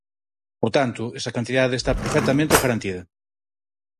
Por tanto, esa cantidade está perfectamente garantida.